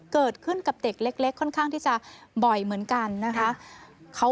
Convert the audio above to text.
เกิดขึ้นกับเด็กเล็กค่อนข้างที่จะบ่อยเหมือนกันนะคะ